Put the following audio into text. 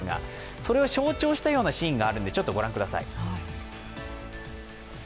それを象徴したようなシーンがあるのでご覧ください。